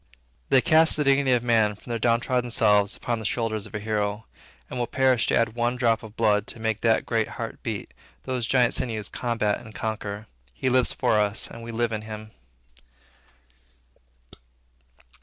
They cast the dignity of man from their downtrod selves upon the shoulders of a hero, and will perish to add one drop of blood to make that great heart beat, those giant sinews combat and conquer. He lives for us, and we live in him.